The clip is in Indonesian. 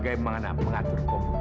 emang anak mengatur pembukunya